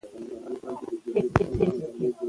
که نقشه وګورو نو لار نه ورکيږي.